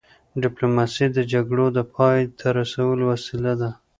ډيپلوماسي د جګړو د پای ته رسولو وسیله ده.